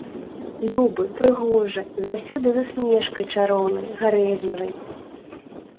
Любы, прыгожы, заўсёды з усмешкай чароўнай, гарэзлівай.